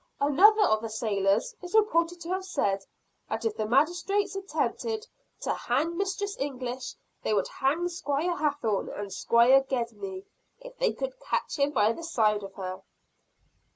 "Another of the sailors is reported to have said, that if the magistrates attempted to hang Mistress English they would hang Squire Hathorne, and Squire Gedney, if they could catch him, by the side of her."